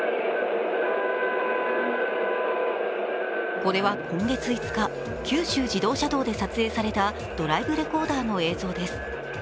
これは、今月５日、九州自動車道で撮影されたドライブレコーダーの映像です。